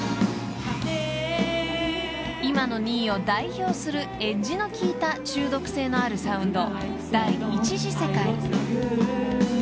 ［今のＮＥＥを代表するエッジの効いた中毒性のあるサウンド］